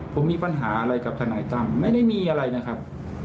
ผมมีปัญหาอะไรกับทนายตั้มไม่ได้มีอะไรนะครับ